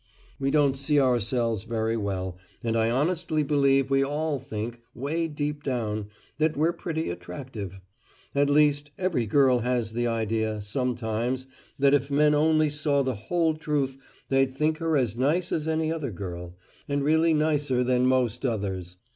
We don't see ourselves very well, and I honestly believe we all think way deep down that we're pretty attractive. At least, every girl has the idea, sometimes, that if men only saw the whole truth they'd think her as nice as any other girl, and really nicer than most others.